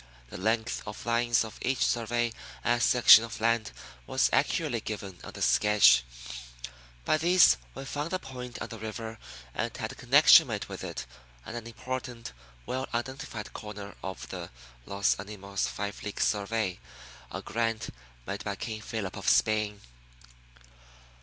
The length of lines of each survey and section of land was accurately given on the sketch. By these we found the point on the river and had a "connection" made with it and an important, well identified corner of the Los Animos five league survey a grant made by King Philip of Spain.